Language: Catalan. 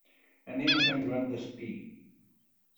Anem a Sant Joan Despí.